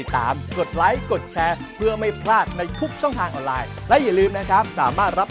หมดเวลาต้องลาไปแล้วสวัสดีครับ